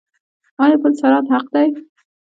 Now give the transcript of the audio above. آیا پل صراط حق دی؟